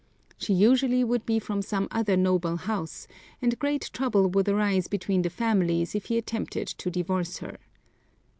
She usually would be from some other noble house, and great trouble would arise between the families if he attempted to divorce her.